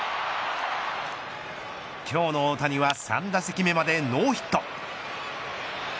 今日の大谷は３打席目までノーヒット。